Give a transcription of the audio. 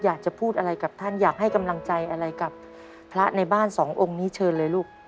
อยากจะพูดอะไรกับท่านอยากให้กำลังใจอะไรกับพระในบ้านสององค์นี้เชิญเลยลูก